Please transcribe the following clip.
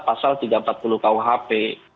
pasal tiga ratus empat puluh kuhp